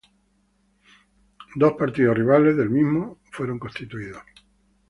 Dos partidos rivales del mismo fueron constituidos.